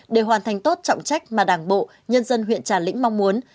để hoàn thành tốt trọng trách mà đảng bộ nhân dân huyện trà lĩnh mong muốn